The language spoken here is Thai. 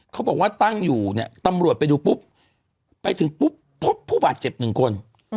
เขาบอกว่าตั้งอยู่เนี่ยตำรวจไปดูปุ๊บไปถึงปุ๊บพบผู้บาดเจ็บหนึ่งคน